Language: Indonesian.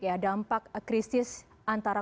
ya dampak krisis antara